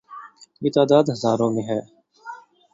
یہ تعداد ہزاروں میں ہے۔